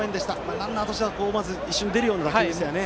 ランナーとしては思わず一瞬出るような打球でしたね。